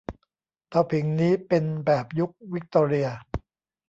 เตาผิงนี้เป็นแบบยุควิคตอเรีย